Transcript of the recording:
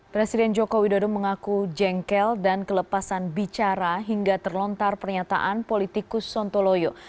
presiden joko widodo mengaku jengkel dan kelepasan bicara hingga terlontar pernyataan politikus sontoloyo